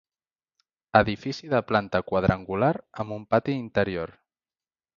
Edifici de planta quadrangular amb un pati interior.